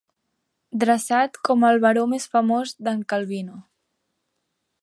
Dreçat com el baró més famós d'en Calvino.